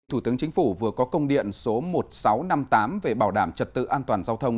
thủ tướng chính phủ vừa có công điện số một nghìn sáu trăm năm mươi tám về bảo đảm trật tự an toàn giao thông